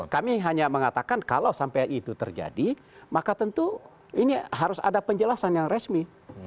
kami hanya mengatakan kalau sampai itu terjadi maka tentu ini harus ada penjelasan yang resmi